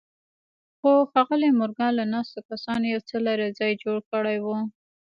خو ښاغلي مورګان له ناستو کسانو يو څه لرې ځای جوړ کړی و.